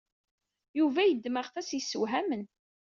Yuba yeddem aɣtas yeszewhamen.